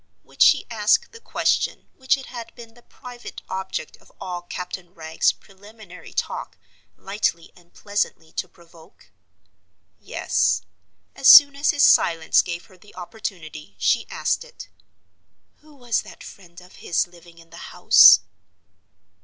Would she ask the question which it had been the private object of all Captain Wragge's preliminary talk lightly and pleasantly to provoke? Yes; as soon as his silence gave her the opportunity, she asked it: "Who was that friend of his living in the house?"